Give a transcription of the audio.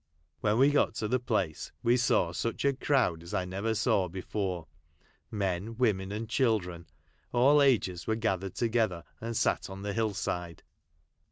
When we got to the place we saw such a crowd as I never saw before, men, women, and children : all ages were gathered together, and sat on the hill side.